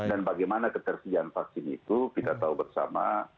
dan bagaimana ketersediaan vaksin itu kita tahu bersama